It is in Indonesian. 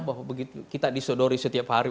bahwa begitu kita disodori setiap hari